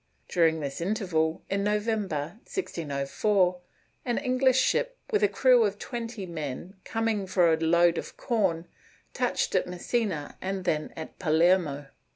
During this interval, in November, 1604, an English ship, with a crew of twenty men, coming for a load of corn, touched at Messina and then at Palermo.